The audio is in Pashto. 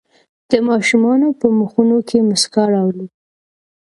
د ماشومانو په مخونو کې مسکا راولئ.